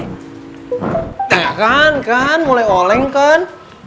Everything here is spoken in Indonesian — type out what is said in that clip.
kita kan kan mulai oleng kan